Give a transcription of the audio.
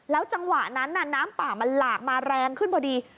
จังหวะนั้นน้ำป่ามันหลากมาแรงขึ้นพอดี